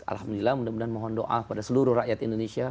alhamdulillah mudah mudahan mohon doa pada seluruh rakyat indonesia